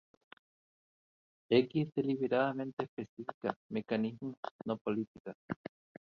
X deliberadamente especifica "mecanismos, no políticas".